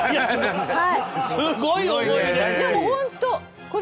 すごい思い入れ。